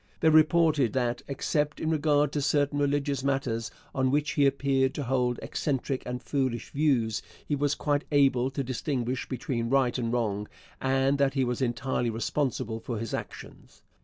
They reported that, except in regard to certain religious matters on which he appeared to hold eccentric and foolish views, he was quite able to distinguish between right and wrong and that he was entirely responsible for his actions.